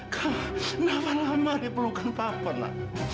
kamu nafa lama diperlukan papa nak